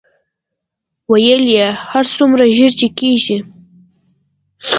ویل یې هر څومره ژر چې کېږي.